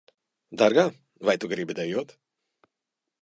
Dārgā, vai tu gribi dejot?